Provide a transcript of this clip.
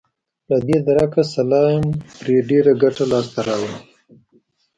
له دې درکه سلایم پرې ډېره ګټه لاسته راوړه.